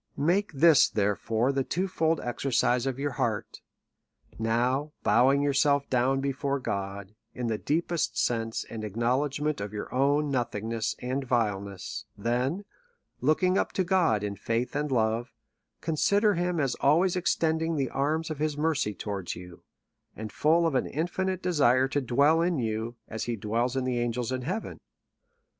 Make this, therefore, the two fold exercise of your heart : now^ bowing yourself down before God, in the deepest sense and acknowledgment of your own no thingness and vileness ; then, looking up to God in faith and love, consider him as always extending the arms of his mercy towards you, and full of an infinite desire to dwell in you, as he dwells in the angels in heaven.